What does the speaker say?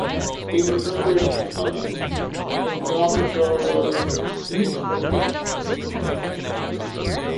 In the preparation of mummies, his canopic jar was used for the intestines.